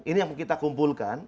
ini yang kita kumpulkan